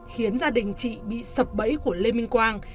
khiến gia đình chị bị sập bẫy của lê minh quang